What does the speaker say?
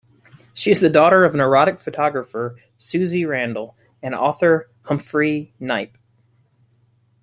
She is the daughter of erotic photographer Suze Randall and author Humphry Knipe.